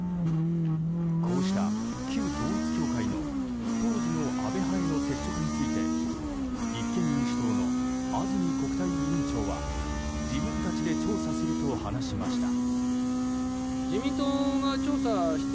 こうした、旧統一教会の当時の安倍派への接触について立憲民主党の安住国対委員長は自分たちで調査すると話しました。